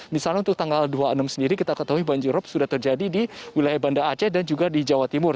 misalnya untuk tanggal dua puluh enam sendiri kita ketahui banjirop sudah terjadi di wilayah banda aceh dan juga di jawa timur